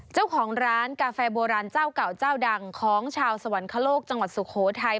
เจ้าของร้านกาแฟโบราณเจ้าเก่าเจ้าดังของชาวสวรรคโลกจังหวัดสุโขทัย